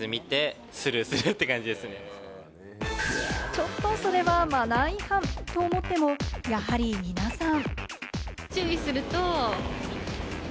ちょっとそれはマナー違反と思っても、やはり皆さん。